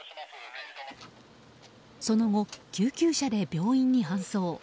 その後、救急車で病院に搬送。